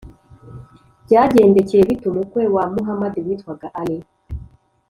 byagendekeye bite umukwe wa muhamadi witwaga alī?